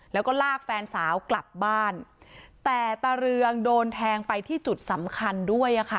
แล้วก็ลากแฟนสาวกลับบ้านแต่ตาเรืองโดนแทงไปที่จุดสำคัญด้วยอ่ะค่ะ